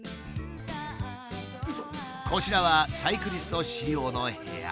こちらはサイクリスト仕様の部屋。